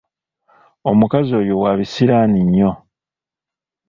Omukazi oyo wabisiraani nnyo!